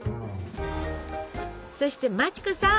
そして町子さん！